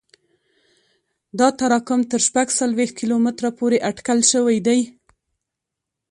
دا تراکم تر شپږ څلوېښت کیلومتره پورې اټکل شوی دی